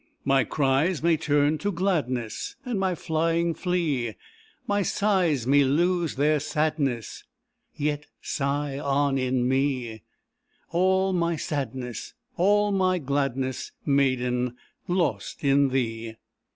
My cries may turn to gladness, And my flying flee; My sighs may lose the sadness, Yet sigh on in me; All my sadness, all my gladness, Maiden, lost in thee.